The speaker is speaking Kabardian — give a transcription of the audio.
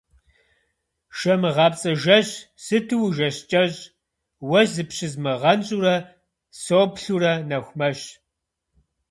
Шэмыгъапцӏэ жэщ, сыту ужэщ кӏэщӏ, уэ зыпщызмыгъэнщӏурэ, соплъурэ нэху мэщ.